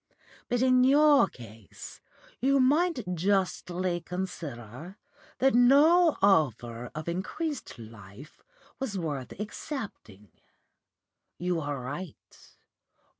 But in your case you might justly consider that no offer of increased life was worth accepting. You are right.